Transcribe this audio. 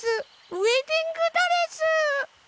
ウエディングドレス！